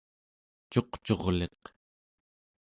cuqcurliq